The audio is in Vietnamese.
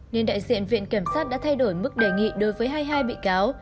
nên đại diện viện kiểm sát đã thay đổi mức đề nghị đối với hai mươi hai bị cáo